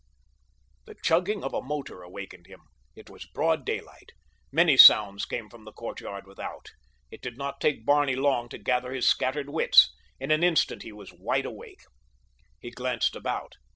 The chugging of a motor awakened him. It was broad daylight. Many sounds came from the courtyard without. It did not take Barney long to gather his scattered wits—in an instant he was wide awake. He glanced about.